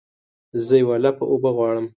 زه یوه لپه اوبه غواړمه